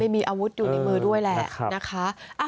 มีอาวุธอยู่ในมือด้วยแหละนะคะ